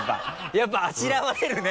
やっぱあしらわれるね。